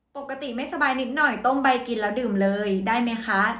ปกติไม่สบายนิดหน่อยต้มใบกินแล้วดื่มเลยได้ไหมคะ